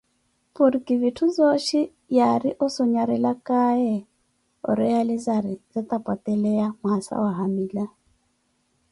Porki vittu zooshi aari ossonharelakaye orealizari zatapwateleya Mwassa wa hamila